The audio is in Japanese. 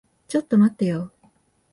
ちょっと待ってよ。